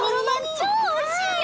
超おいしいよ！